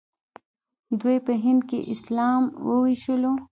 دوی په هند کې اسلام وويشلو.